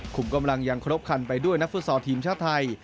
คุมกำลังยังคลบคันไปด้วยนักฟุตศอดีมชาวไทย